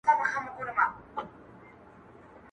د دې نوي کفن کښ ګډه غوغا وه!!